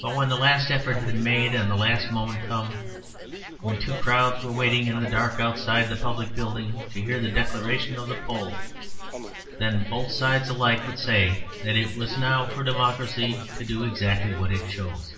But when the last effort had been made and the last moment come, when two crowds were waiting in the dark outside the public building to hear the declaration of the poll, then both sides alike would say that it was now for democracy to do exactly what it chose.